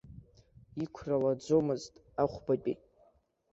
Иқәра лаӡомызт, ахәбатәи.